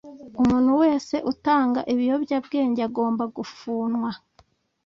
Umuntu wese utanga ibiyobyabwenge agomba gufunwa